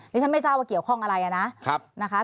นี่ฉันไม่ทราบว่าเกี่ยวข้องอะไรนะนะคะ